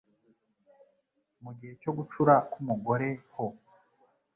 Mu gihe cyo gucura k'umugore ho,